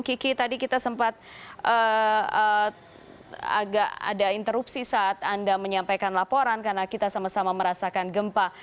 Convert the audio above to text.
kiki tadi kita sempat agak ada interupsi saat anda menyampaikan laporan karena kita sama sama merasakan gempa